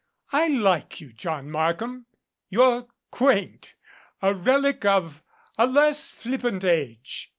"I like you, John Markham. You're quaint a relic of a less flippant age.